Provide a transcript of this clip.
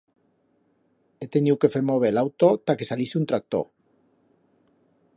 He teniu que fer mover l'auto ta que salise un tractor.